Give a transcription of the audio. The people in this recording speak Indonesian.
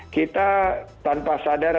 kita tanpa sadar